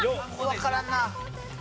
わからんな。